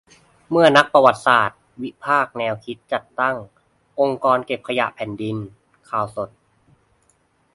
เมื่อนักประวัติศาสตร์ วิพากษ์แนวคิดจัดตั้ง "องค์กรเก็บขยะแผ่นดิน" : ข่าวสด